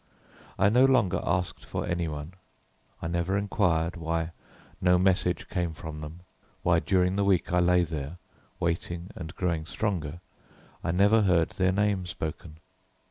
I no longer asked for any one. I never inquired why no message came from them; why during the week I lay there, waiting and growing stronger, I never heard their name spoken.